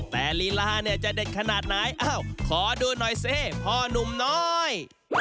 แต่ลีลาเนี่ยจะเด็ดขนาดไหนอ้าวขอดูหน่อยสิพ่อนุ่มน้อย